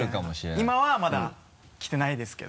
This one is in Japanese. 今はまだ来てないですけど。